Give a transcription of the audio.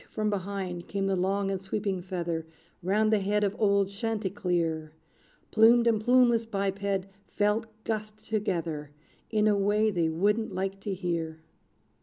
from behind came the long and sweeping feather, Round the head of old Chanticleer: Plumed and plumeless biped felt gust together, In a way they wouldn't like to hear.